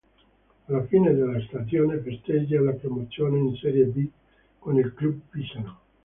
Alla fine della stagione festeggia la promozione in Serie B con il club pisano.